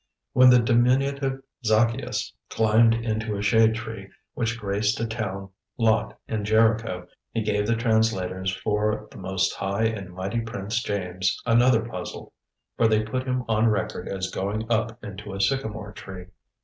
When the diminutive Zaccheus climbed into a shade tree which graced a town lot in Jericho he gave the translators for "the Most High and Mighty Prince James" another puzzle, for they put him on record as going up into a sycamore tree.